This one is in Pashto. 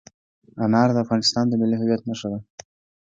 انار د افغانستان د ملي هویت نښه ده.